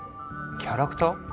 キャラクター？